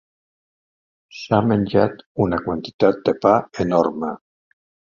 S'ha menjat una quantitat de pa enorme.